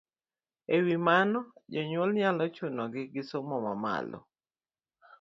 E wi mano, jonyuol nyalo chunogi gi somo mamalo.